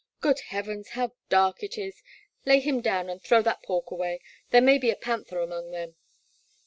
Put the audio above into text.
Good heavens ! how dark it is — ^lay him down and throw that pork away — ^there may be a panther among them."